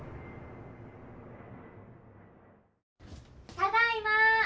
・ただいま！